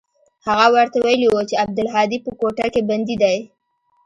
هغه ورته ويلي و چې عبدالهادي په کوټه کښې بندي دى.